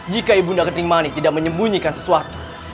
jika ibu nda ketikmani tidak menyembunyikan sesuatu